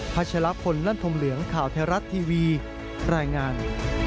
พัชลัพธ์คนลันทมเหลืองข่าวแท้รัฐทีวีรายงาน